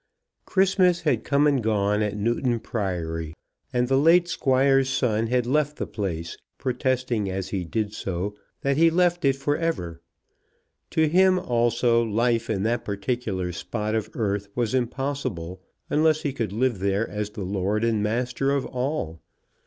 Christmas had come and gone at Newton Priory, and the late Squire's son had left the place, protesting as he did so that he left it for ever. To him also life in that particular spot of earth was impossible, unless he could live there as the lord and master of all.